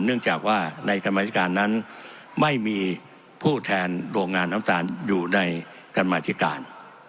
เนื่องจากว่าในกรรมธิการนั้นไม่มีผู้แทนโรงงานน้ำตาลอยู่ในกรรมาธิการ